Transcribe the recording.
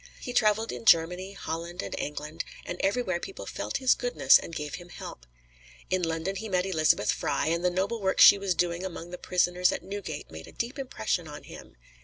He traveled in Germany, Holland and England, and everywhere people felt his goodness and gave him help. In London he met Elizabeth Fry, and the noble work she was doing among the prisoners at Newgate made a deep impression on him.